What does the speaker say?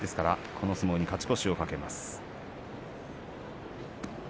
この土俵に勝ち越しを懸けます。